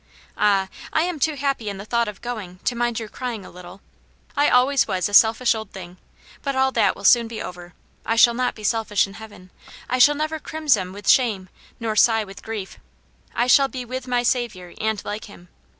" Ah, I am too happy in the thought of going, to mind your crying a little. I always was a selfish old thing. But all that will soon be over. I shall not be selfish in heaven. I shall never crimson with shame nor sigh with grief; I shall be with my Saviour and like Him.